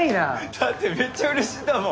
だってめっちゃうれしいんだもん。